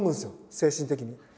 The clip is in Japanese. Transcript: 精神的に。